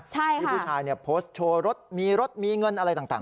ที่ผู้ชายโพสต์โชว์รถมีรถมีเงินอะไรต่าง